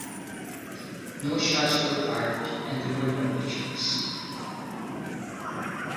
No shots were fired and there were no injuries.